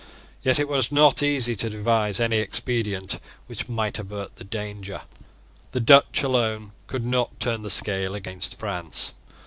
Yet it was not easy to devise any expedient which might avert the danger. The Dutch alone could not turn the scale against France.